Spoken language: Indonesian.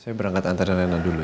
saya berangkat antar rena dulu ya